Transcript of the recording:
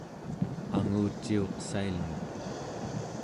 anguciuqsailnguq